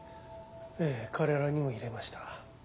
ええ彼らにも入れました。